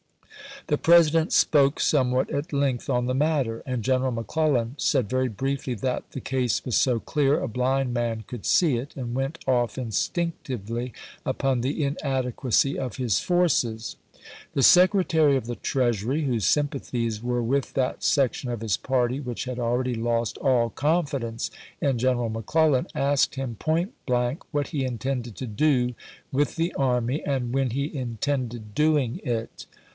The President spoke somewhat at length on the matter, and General McClellan said very briefly that " the case was so clear a blind man could see it," and went off instinctively upon the inadequacy of his forces. The Secretary of the Treasury, whose sympathies were with that section of his party which had already lost all confidence in General McClellan, asked him point blank what he intended to do with the army and when he intended doing it.